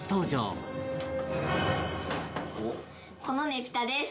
このねぷたです。